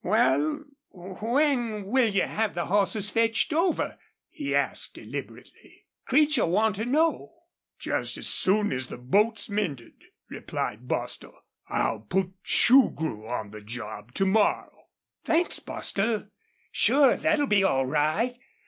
"Wal, when will you have the hosses fetched over?" he asked, deliberately. "Creech'll want to know." "Just as soon as the boat's mended," replied Bostil. "I'll put Shugrue on the job to morrow." "Thanks, Bostil. Sure, thet'll be all right.